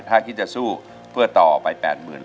ถ้าคิดจะสู้เพื่อต่อไป๘หมื่น